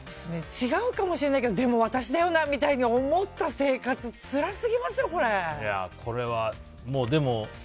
違うかもしれないけどでも私だよなって思った生活つらすぎますよ、これ。